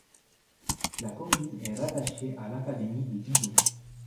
La commune est rattachée à l'académie de Dijon.